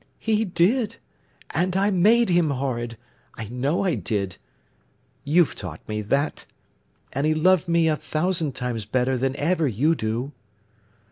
"He did! And I made him horrid—I know I did! You've taught me that. And he loved me a thousand times better than ever you do."